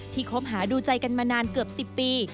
คบหาดูใจกันมานานเกือบ๑๐ปี